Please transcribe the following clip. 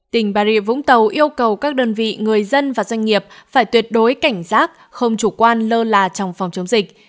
tỉnh bà rịa vũng tàu yêu cầu các đơn vị người dân và doanh nghiệp phải tuyệt đối cảnh giác không chủ quan lơ là trong phòng chống dịch